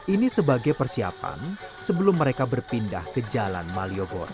ini sebagai persiapan sebelum mereka berpindah ke jalan malioboro